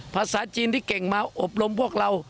ภาษาจีนที่เก่งมาอบรมพวกเรา